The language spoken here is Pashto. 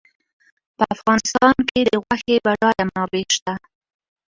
په افغانستان کې د غوښې بډایه منابع شته.